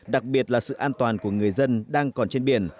đặc biệt là sự an toàn của người dân đang còn trên biển